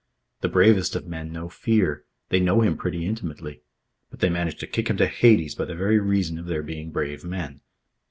The bravest of men know Fear. They know him pretty intimately. But they manage to kick him to Hades by the very reason of their being brave men.